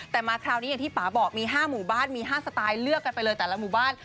แต่มาคราวนี้อย่างที่ป่าบอกมี๕หมู่บ้านมี๕สไตล์เลือกกันไปเลยแต่ละหมู่บ้าน